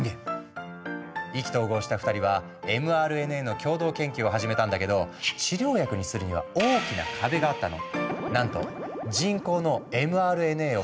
意気投合した２人はｍＲＮＡの共同研究を始めたんだけど治療薬にするには大きな壁があったの。